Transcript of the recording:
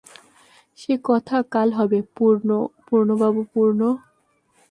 সে কথা কাল হবে পূর্ণবাবু– পূর্ণ।